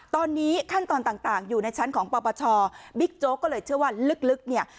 ตอนนี้ขั้นตอนต่างอยู่ในชั้นของปปชบิ๊กโจ๊กก็เลยเชื่อว่าลึกเนี่ย